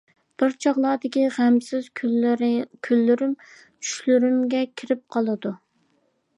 بىر چاغلاردىكى غەمسىز كۈنلىرىم چۈشلىرىمگە كىرىپ قالىدۇ.